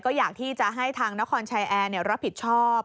ก็อยากที่จะให้ทางนครชายแอร์รับผิดชอบ